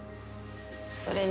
それに。